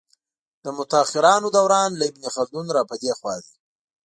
د متاخرانو دوران له ابن خلدون را په دې خوا دی.